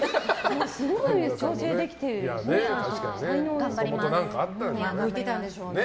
すごい調整できてるんですね。